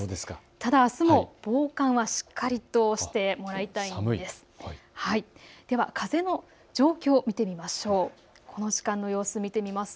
ただあすも、防寒はしっかりとしてもらいたいです。